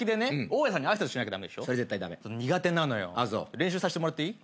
練習させてもらっていい？